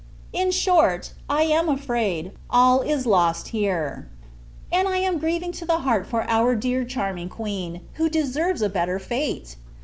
In short, I am afraid, all is lost here; and I am grieved to the heart for our dear, charming Queen, who deserves a better fate!